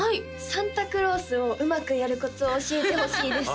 サンタクロースをうまくやるコツを教えてほしいです